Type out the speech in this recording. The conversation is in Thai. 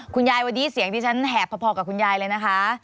คุณยายวันนี้เสียงดิฉันแหบพอกับคุณยายเลยนะคะ